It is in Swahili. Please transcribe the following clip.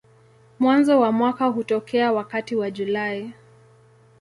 Mwanzo wa mwaka hutokea wakati wa Julai.